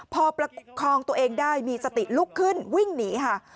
พอประคองตัวเองได้มีสติลุกขึ้นวิ่งหนีค่ะ